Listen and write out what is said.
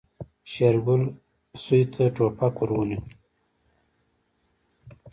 شېرګل سوی ته ټوپک ور ونيو.